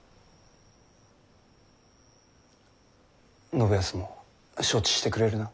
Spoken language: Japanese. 信康も承知してくれるな？